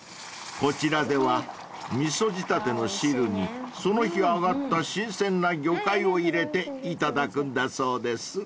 ［こちらでは味噌仕立ての汁にその日揚がった新鮮な魚介を入れて頂くんだそうです］